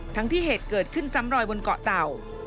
ทั้งที่เหตุเกิดขึ้นซ้ำรอยบนเกาะเต่า